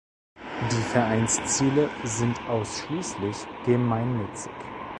Die Vereinsziele sind ausschließlich gemeinnützig.